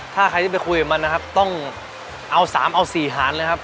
ถ้าใครได้ไปคุยกับมันต้องเอา๓๔หารเลยครับ